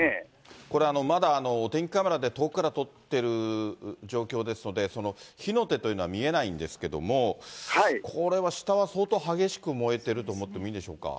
これ、まだお天気カメラで遠くから撮ってる状況ですので、火の手というのは見えないんですけれども、これは下は相当激しく燃えてると思ってもいいのでしょうか。